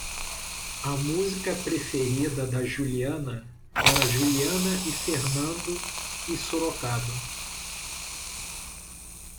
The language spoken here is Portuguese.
A música preferida da Juliana era Juliana e Fernando e Sorocaba.